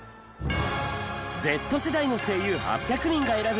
Ｚ世代の声優８００人が選ぶ！